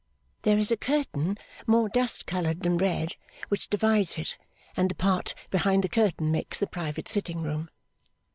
There is a curtain more dust coloured than red, which divides it, and the part behind the curtain makes the private sitting room.